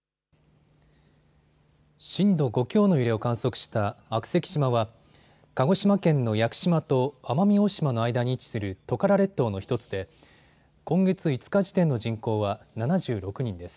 震度５強の揺れを観測した悪石島は鹿児島県の屋久島と奄美大島の間に位置するトカラ列島の１つで今月５日時点の人口は７６人です。